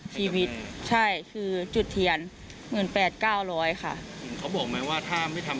ชีวิตใช่คือจุดเทียนหมื่นแปดเก้าร้อยค่ะเขาบอกไหมว่าถ้าไม่ทำ